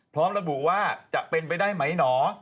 พร้อมระบุว่าจะเป็นไปได้ไหมหนอ